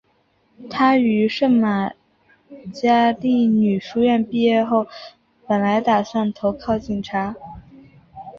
她于圣玛加利女书院毕业后本来打算投考警察。